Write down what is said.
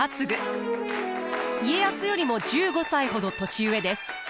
家康よりも１５歳ほど年上です。